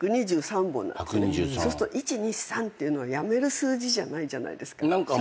そうすると「１２３」っていうの辞める数字じゃないじゃないですか。